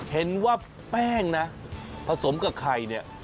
เห็นว่าแป้งนะผสมกับไข่เนี่ย